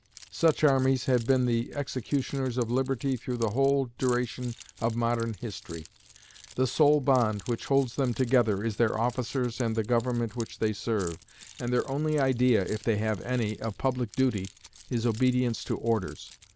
Such armies have been the executioners of liberty through the whole duration of modern history. The sole bond which holds them together is their officers and the government which they serve, and their only idea, if they have any, of public duty, is obedience to orders.